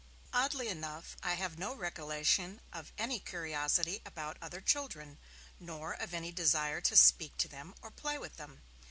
Oddly enough, I have no recollection of any curiosity about other children, nor of any desire to speak to them or play with them.